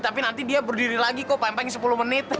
tapi nanti dia berdiri lagi kok paling paling sepuluh menit